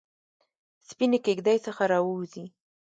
سپینې کیږ دۍ څخه راووزي